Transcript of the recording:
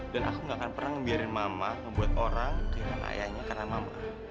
dan aku gak akan pernah ngebiarin mama ngebuat orang kehilangan ayahnya karena mama